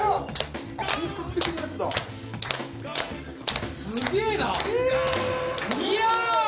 本格的なやつだすげーな！